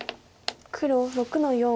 黒６の四。